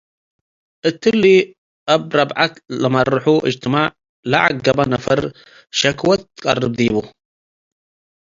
እትሊ አብ-ረብዐት ለመርሑ እጅትመዕ፡ ለዐገበ ነፈር ሸክወት ትቀርብ ዲቡ ።